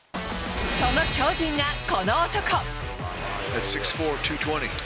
その超人がこの男。